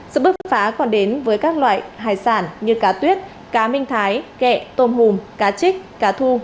sự bứt phá còn đến với các loại hải sản như cá tuyết cá minh thái kẹ tôm hùm cá trích cá thu